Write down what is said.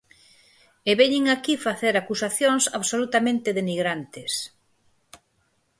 E veñen aquí facer acusacións absolutamente denigrantes.